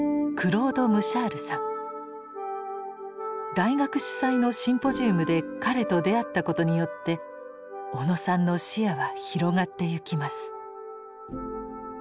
大学主催のシンポジウムで彼と出会ったことによって小野さんの視野は広がってゆきます。